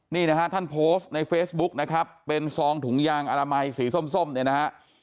นี่นะฮะท่านโพสต์ในเฟซบุ๊กนะครับเป็นซองถุงยางอนามัยสีส้มเนี่ยนะฮะ